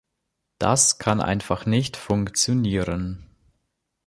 Das kann einfach nicht funktionieren.